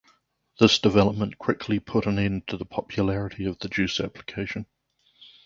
This development quickly put an end to the popularity of the Juice application.